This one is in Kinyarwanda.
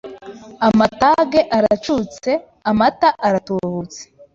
Amatage aracuts Amata aratubutse